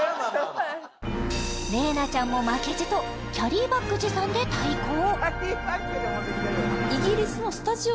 麗菜ちゃんも負けじとキャリーバッグ持参で対抗！